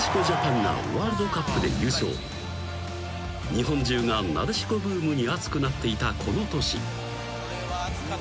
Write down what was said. ［日本中がなでしこブームに熱くなっていたこの年］